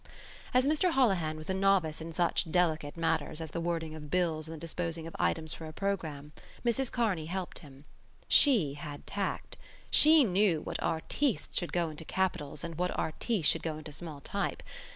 As Mr Holohan was a novice in such delicate matters as the wording of bills and the disposing of items for a programme, Mrs Kearney helped him. She had tact. She knew what artistes should go into capitals and what artistes should go into small type.